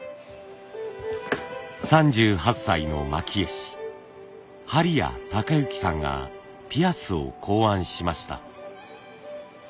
３８歳の蒔絵師針谷崇之さんがピアスを考案しました。